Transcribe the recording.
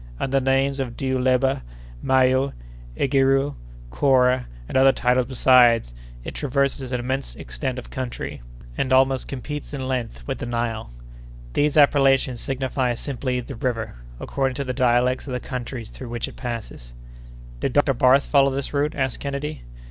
Under the names of Dhiouleba, Mayo, Egghirreou, Quorra, and other titles besides, it traverses an immense extent of country, and almost competes in length with the Nile. These appellations signify simply 'the River,' according to the dialects of the countries through which it passes." "Did Dr. Barth follow this route?" asked Kennedy.